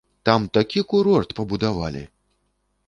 Там такі курорт пабудавалі!